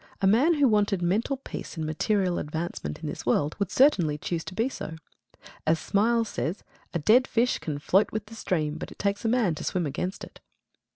A man who wanted mental peace and material advancement in this world would certainly choose to be so. As Smiles says "A dead fish can float with the stream, but it takes a man to swim against it."